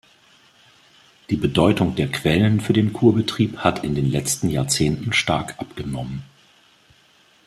Die Bedeutung der Quellen für den Kurbetrieb hat in den letzten Jahrzehnten stark abgenommen.